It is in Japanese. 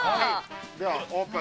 ではオープン。